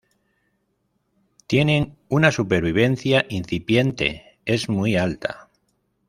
Tienen una supervivencia incipiente es muy alta.